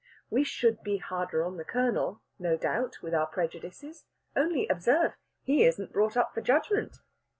We should be harder on the Colonel, no doubt, with our prejudices; only, observe! he isn't brought up for judgment.